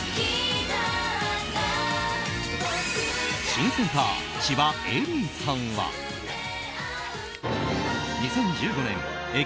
新センター、千葉恵里さんは２０１５年